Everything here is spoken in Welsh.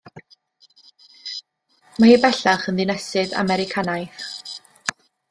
Mae hi bellach yn ddinesydd Americanaidd.